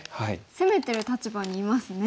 攻めてる立場にいますね。